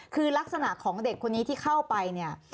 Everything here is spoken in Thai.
คือลักษณะของเด็กคนนี้ที่เข้าไปเนี่ย